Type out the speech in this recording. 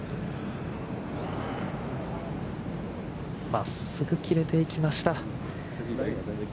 真っすぐ切れていきました。